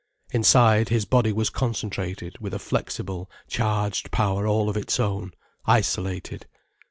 Inside, his body was concentrated with a flexible, charged power all of its own, isolated.